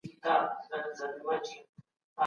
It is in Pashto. که امن وي، خلګ آرام ژوند کوي.